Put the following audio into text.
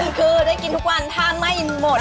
ประเด็นคือได้กินทุกวันถ้าไม่หมดนะ